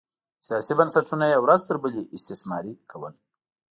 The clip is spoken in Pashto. سیاسي بنسټونه یې ورځ تر بلې استثماري کول